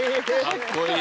かっこいい。